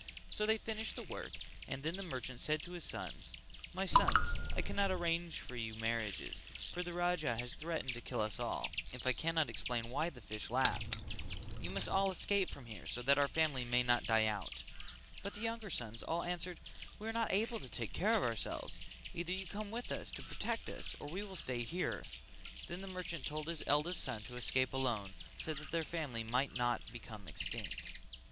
So they finished the work and then the merchant said to his sons: "My sons I cannot arrange for your marriages, for the Raja has threatened to kill us all, if I cannot explain why the fish laughed; you must all escape from here so that our family may not die out;" but the younger sons all answered "We are not able to take care of ourselves, either you come with us to protect us or we will stay here." Then the merchant told his eldest son to escape alone so that their family might not become extinct.